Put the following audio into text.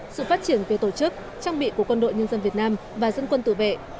sự phát triển về tổ chức trang bị của quân đội nhân dân việt nam và dân quân tự vệ